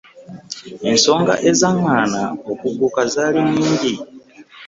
Ensonga ezaagaana okugguka zaali nnyingi.